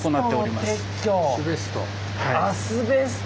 アスベスト！